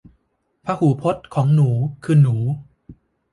พหูพจน์ของหนูคือหนู